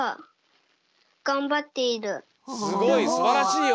すごいすばらしいよ！